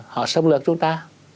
họ xâm lược chúng ta